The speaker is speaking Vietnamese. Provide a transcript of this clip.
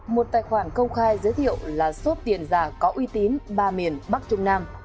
một tài khoản công khai giới thiệu là số tiền giả có uy tín ba miền bắc trung nam